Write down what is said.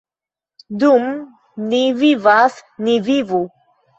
Dum ni vivas, ni vivu!